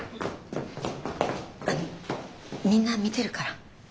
あのみんな見てるから。